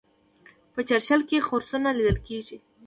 په چرچیل کې خرسونه لیدل کیږي.